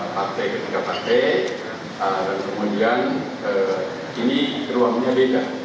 partai ketiga partai dan kemudian ini ruangnya beda